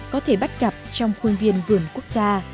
có thể bắt gặp trong khuôn viên vườn quốc gia